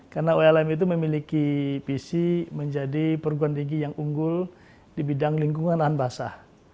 karena ulm itu memiliki visi menjadi perguruan tinggi yang unggul di bidang lingkungan lahan basah